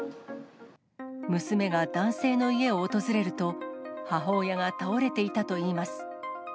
娘が男性の家を訪れると、母親が倒れていたといいます。